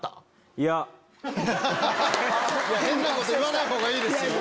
変なこと言わないほうがいいです